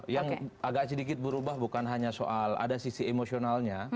yang agak sedikit berubah bukan hanya soal ada sisi emosionalnya